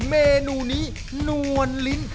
เมนูนี้นวลลิ้น